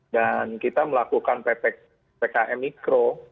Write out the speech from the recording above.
dan kita melakukan petek pkm mikro